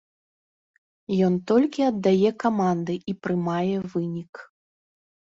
Ён толькі аддае каманды і прымае вынік.